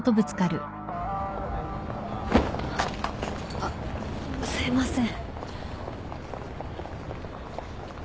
あっすいません。